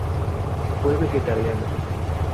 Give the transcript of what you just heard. Fue vegetariano.